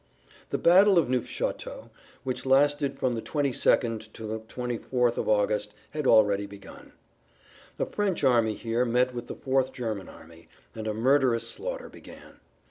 The battle of Neufchateau, which lasted from the 22nd to the 24th of August, had already [Pg 18]begun. A French army here met with the Fourth German Army, and a murderous slaughter began.